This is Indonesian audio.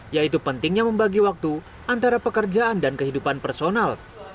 yaitu pentingnya membagi waktu antara pekerjaan dan kehidupan personal